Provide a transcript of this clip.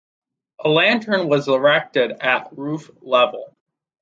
A lantern was erected at roof level.